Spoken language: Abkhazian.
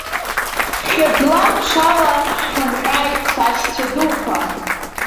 Хьыӡла-ԥшала шәхынҳәааит, сашьцәа дуқәа!